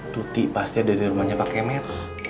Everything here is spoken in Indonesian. tuti pasti ada di rumahnya pake med